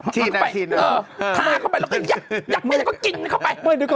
เดี๋ยวมาเข้ากินเข้าไป